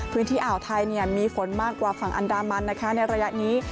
พื้นที่อ่าวไทยมีฝนมากกว่าฝั่งอันดามันในระยะนี้